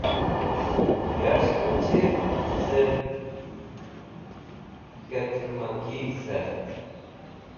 Yas̃h ko chir z̃ir kẽtrmagig̃h cart.